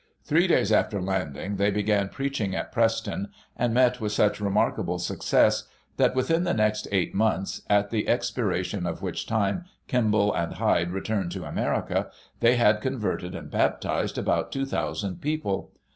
Three days after landing they began preaching at Preston, and met with such remark able success that, within the next eight months, at the ex piration of which time, Kimball and Hyde returned to America, they had converted and baptised about 2,000 people.